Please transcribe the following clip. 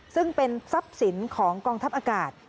ซึ่งเป็นทรัพย์สินของกองทัพอากาศ